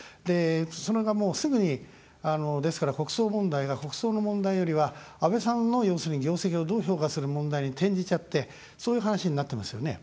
それが、もうすぐにですから、国葬問題が国葬の問題よりは、安倍さんの要するに業績をどう評価する問題に転じちゃってそういう話になってますよね。